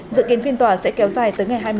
dự kiến phiên tòa sẽ kéo dài tới ngày hai mươi